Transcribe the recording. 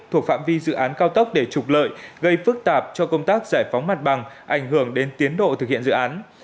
thuộc phạm vi dự án cao tốc để trục lợi gây phức tạp cho công tác giải phóng mặt bằng ảnh hưởng đến tiến độ thực hiện dự án